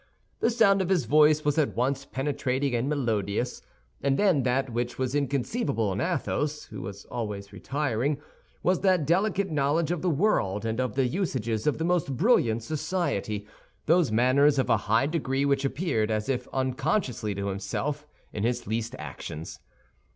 The sound of his voice was at once penetrating and melodious; and then, that which was inconceivable in Athos, who was always retiring, was that delicate knowledge of the world and of the usages of the most brilliant society—those manners of a high degree which appeared, as if unconsciously to himself, in his least actions.